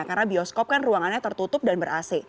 karena bioskop kan ruangannya tertutup dan ber ac